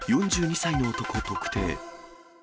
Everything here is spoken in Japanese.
４２歳の男特定。